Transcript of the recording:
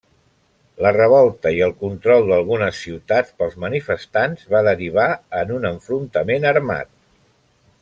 La revolta i el control d'algunes ciutats pels manifestants, va derivar en un enfrontament armat.